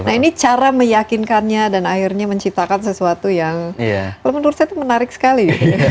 nah ini cara meyakinkannya dan akhirnya menciptakan sesuatu yang menurut saya itu menarik sekali